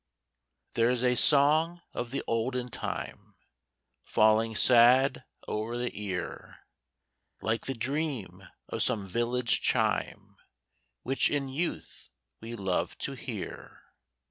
There's a song of the olden time, Falling sad o'er the ear, Like the dream of some village chime, Which in youth we loved to hear.